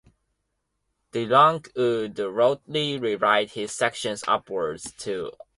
DeLonge would routinely rewrite his sections upwards of four times.